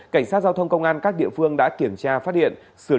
cảnh sát giao thông công an các địa phương đã kiểm tra phát hiện